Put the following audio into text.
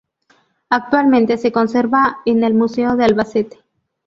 Actualmente se conserva en el Museo de Albacete.